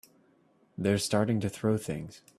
They're starting to throw things!